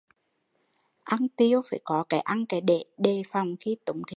Ăn tiêu phải có cái ăn cái để, để phòng khi túng thiếu